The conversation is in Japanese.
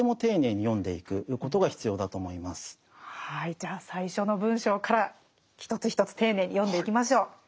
じゃあ最初の文章から一つ一つ丁寧に読んでいきましょう。